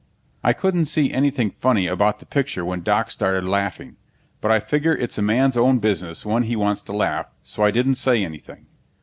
I couldn't see anything funny about the picture when Doc started laughing, but I figure it's a man's own business when he wants to laugh, so I didn't say anything.